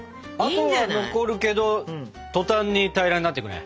跡は残るけど途端に平らになっていくね。